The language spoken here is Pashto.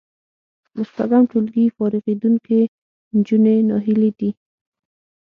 له شپږم ټولګي فارغېدونکې نجونې ناهیلې دي